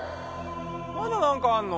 まだなんかあんの？